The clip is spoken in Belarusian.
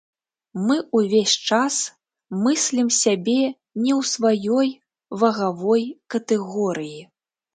Мы ўвесь час мыслім сябе не ў сваёй вагавой катэгорыі.